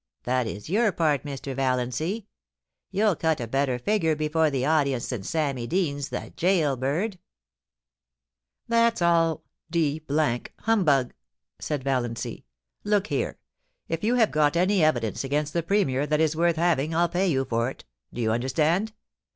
That is your part, Mr. Valiancy. You'll cut a better figure before the audience than Sammy Deans, the gaol bird* ' That's all d d humbug !' said Valiancy. * Look here; if you have got any evidence against the Premier that is worth having I'll pay you for it — do you understand